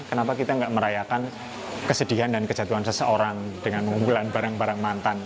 kenapa kita tidak merayakan kesedihan dan kejatuhan seseorang dengan mengumpulan barang barang mantan